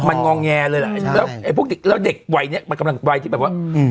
มันงองแงเลยล่ะแล้วพวกเด็กไวเนี้ยมันกำลังไวที่แบบว่าอืม